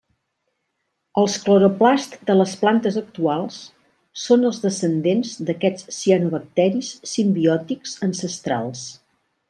Els cloroplasts de les plantes actuals són els descendents d'aquests cianobacteris simbiòtics ancestrals.